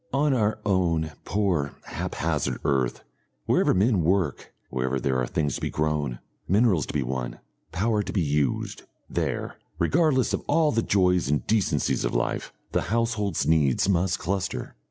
On our own poor haphazard earth, wherever men work, wherever there are things to be grown, minerals to be won, power to be used, there, regardless of all the joys and decencies of life, the households needs must cluster.